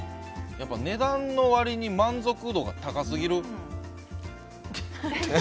値段の割に満足度が高すぎる。